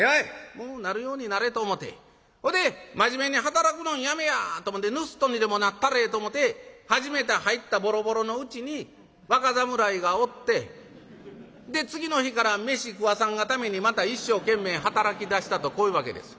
もうなるようになれと思てほいで真面目に働くのんやめやと思てぬすっとにでもなったれと思て初めて入ったボロボロのうちに若侍がおってで次の日から飯食わさんがためにまた一生懸命働きだしたとこういうわけです。